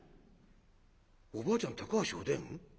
「おばあちゃん高橋お伝？